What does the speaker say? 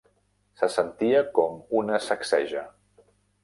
Se sentia com una sacseja.